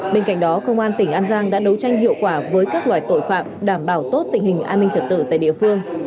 bên cạnh đó công an tỉnh an giang đã đấu tranh hiệu quả với các loại tội phạm đảm bảo tốt tình hình an ninh trật tự tại địa phương